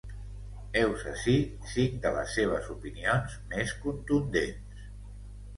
Heus ací cinc de les seves opinions més contundents.